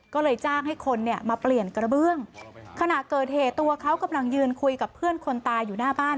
ก็เลยจ้างให้คนเนี่ยมาเปลี่ยนกระเบื้องขณะเกิดเหตุตัวเขากำลังยืนคุยกับเพื่อนคนตายอยู่หน้าบ้าน